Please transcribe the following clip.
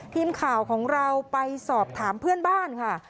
ทีมข่าวของเราไปสอบถามเพื่อนบ้านค่ะ